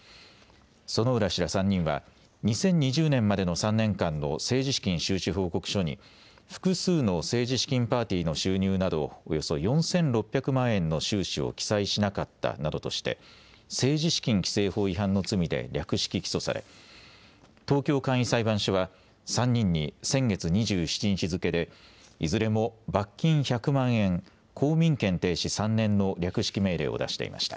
薗浦氏ら３人は２０２０年までの３年間の政治資金収支報告書に複数の政治資金パーティーの収入などおよそ４６００万円の収支を記載しなかったなどとして政治資金規正法違反の罪で略式起訴され東京簡易裁判所は３人に先月２７日付けでいずれも罰金１００万円、公民権停止３年の略式命令を出していました。